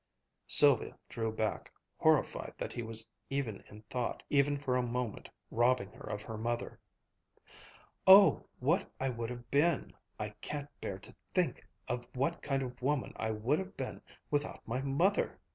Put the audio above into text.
Sylvia drew back, horrified that he was even in thought, even for a moment robbing her of her mother. "Oh, what I would have been I can't bear to think of what kind of woman I would have been without my mother!"